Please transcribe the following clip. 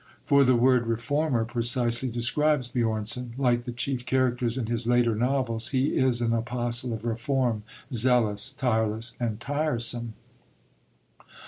For the word "reformer" precisely describes Björnson; like the chief characters in his later novels, he is an apostle of reform, zealous, tireless, and tiresome.